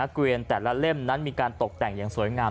เกวียนแต่ละเล่มนั้นมีการตกแต่งอย่างสวยงาม